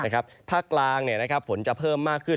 ภาคกลางฝนจะเพิ่มมากขึ้น